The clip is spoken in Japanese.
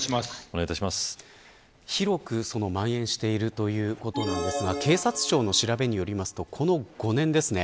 広くまん延しているということですが警察庁の調べによるとこの５年ですね。